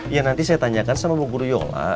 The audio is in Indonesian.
ya nanti saya tanyakan sama bur yola